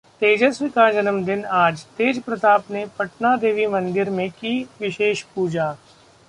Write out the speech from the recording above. तेजस्वी का जन्मदिन आज, तेज प्रताप ने पटन देवी मंदिर में की विशेष पूजा